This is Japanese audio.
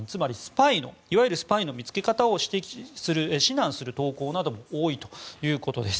元いわゆるスパイの見つけ方を指南する投稿なども多いということです。